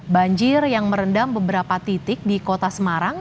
banjir yang merendam beberapa titik di kota semarang